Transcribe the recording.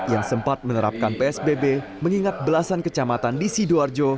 yang sempat menerapkan psbb mengingat belasan kecamatan di sidoarjo